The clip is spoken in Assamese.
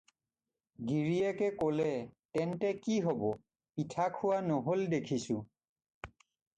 গিৰীয়েকে ক'লে- "তেন্তে কি হ'ব? পিঠা খোৱা নহ'ল দেখিছোঁ!"